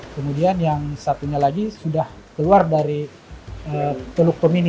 kemudian yang satunya lagi sudah keluar dari teluk pemini